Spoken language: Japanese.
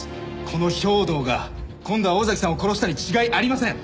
この兵頭が今度は尾崎さんを殺したに違いありません！